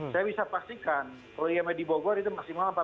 saya bisa pastikan kalau imb di bogor itu maksimal empat belas hari gitu ya